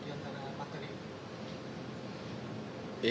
yang difokuskan diantara pak kery